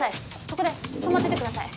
そこで止まっててください。